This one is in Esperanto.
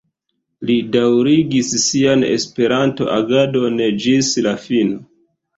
Li daŭrigis sian Esperanto-agadon ĝis la fino.